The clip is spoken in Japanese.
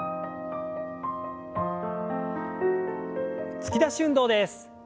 突き出し運動です。